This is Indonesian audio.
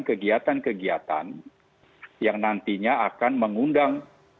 kegiatan kegiatan yang nantinya akan mengundang